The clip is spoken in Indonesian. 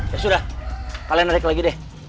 ya sudah kalian naik lagi deh